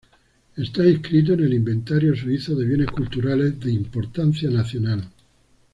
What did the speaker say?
Está inscrito en el inventario suizo de bienes culturales de importancia nacional.